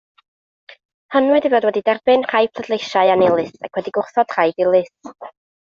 Honnwyd ei fod wedi derbyn rhai pleidleisiau annilys ac wedi gwrthod rhai dilys.